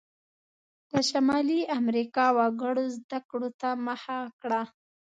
د شمالي امریکا وګړو زده کړو ته مخه کړه.